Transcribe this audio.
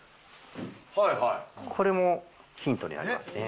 これもヒントになりますね。